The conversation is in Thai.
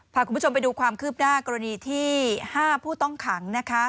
พาคุณผู้ชมไปดูความคืบหน้ากรณีที่๕ผู้ต้องขังนะคะ